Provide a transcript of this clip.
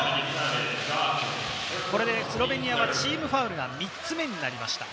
これでスロベニアがチームファウル３つ目になりました。